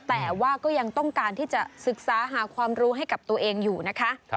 แต่ว่าก็ยังต้องการที่จะศึกษาหาความรู้ให้กับตัวเองอยู่นะคะ